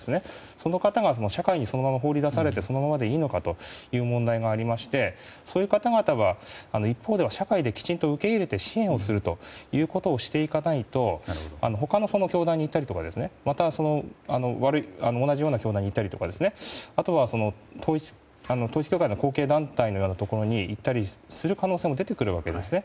その方が社会に放り出されてそのままでいいのかという問題がありましてそういう方々は一方では社会で、きちんと受け入れて支援をするということをしていかないと他の教団に行ったりとかまた、同じような教団に行ったりとかあとは統一教会の後継団体のようなところに行ったりする可能性も出てくるわけですね。